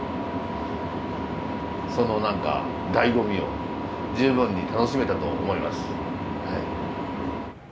その何かだいご味を十分に楽しめたと思いますはい。